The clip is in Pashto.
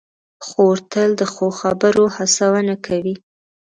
خور تل د ښو خبرو هڅونه کوي.